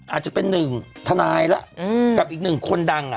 อาจจะเป็นหนึ่งทนายแล้วกับอีกหนึ่งคนดัง